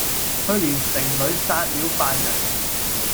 去年城裏殺了犯人，